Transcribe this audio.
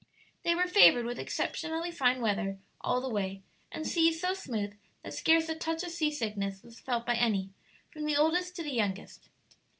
They were favored with exceptionally fine weather all the way, and seas so smooth that scarce a touch of sea sickness was felt by any, from the oldest to the youngest.